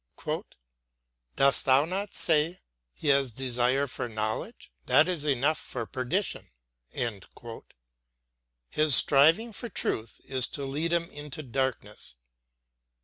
"Didst thou not say, he has desire for knowledge? That is enough for perdition!" His striving for truth is to lead him into darkness.